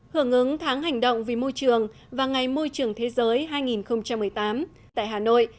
hưởng ứng tháng hành động vì môi trường và ngày môi trường thế giới hai nghìn một mươi tám tại hà nội